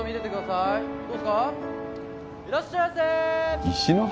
いらっしゃいませ石の花？